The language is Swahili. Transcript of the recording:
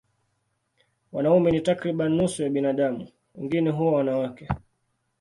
Wanaume ni takriban nusu ya binadamu, wengine huwa wanawake.